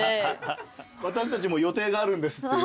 私たちも予定があるんですっていう。